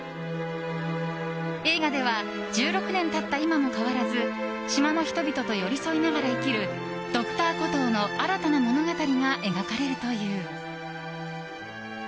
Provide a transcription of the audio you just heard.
映画では１６年経った今も変わらず島の人々と寄り添い合いながら生きるＤｒ．コトーの新たな物語が描かれるという。